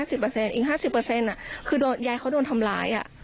อีก๕๐คือยายเขาโดนทำร้าย